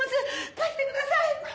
貸してください！！